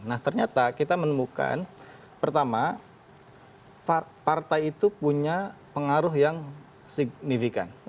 nah ternyata kita menemukan pertama partai itu punya pengaruh yang signifikan